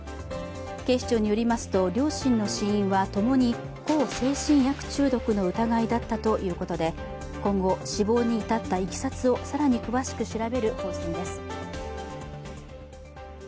警視庁によりますと、両親の死因はともに向精神薬中毒の疑いだったということで今後、死亡に至ったいきさつを更に詳しく調べる方針です。